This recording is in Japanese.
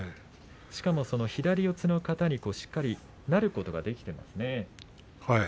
しかも、その左四つの型にしっかりなることがそうですね。